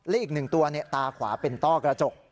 และอีกหนึ่งตัวตาขวาเป็นต้อกระจก